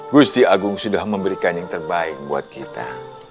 gusti agung sudah memberikan yang terbaik buat kita